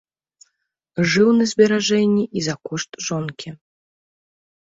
Жыў на зберажэнні і за кошт жонкі.